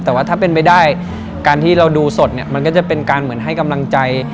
แต่ว่าถ้าเป็นไปได้การที่เราดูสดเนี่ยมันก็จะเป็นการเหมือนให้กำลังใจ